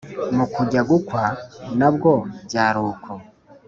mu kujya gukwa na bwo byari uko